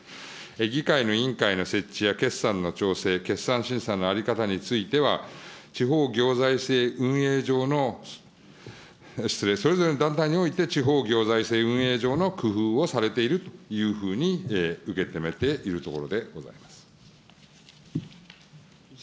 議会の委員会の設置や、決算の調整、決算審査の在り方については、地方行財政運営上の、失礼、それぞれの団体において地方行財政運営上の工夫をされているというふうに受け止めているところでございます。